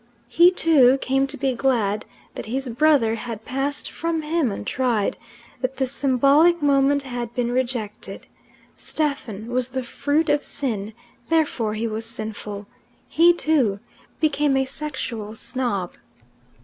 He, too, came to be glad that his brother had passed from him untried, that the symbolic moment had been rejected. Stephen was the fruit of sin; therefore he was sinful, He, too, became a sexual snob.